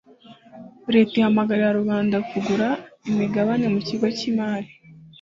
leta ihamagarira rubanda kugura imigabane mu kigo cy’imari